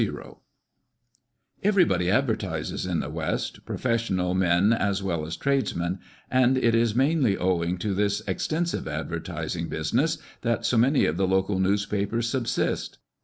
00 00 Everybody advertises in the West, profes sional men as well as tradesmen, and it is mainly owing to this extensive advertising business that so many of the local newspapers subsist.